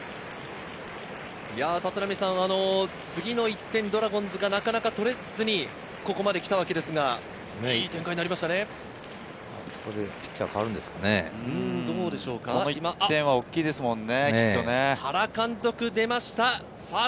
次の１点、ドラゴンズがなかなか取れずにここまで来たわけですが、いい展開ですね。